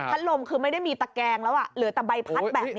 พัดลมขึ้นไม่ได้มีตะแกงแล้วะเหลือแต่ใบพัดแบบนี้อะ